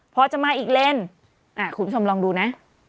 พอจะมาอีกเลนคุณผู้ชมลองดูนะ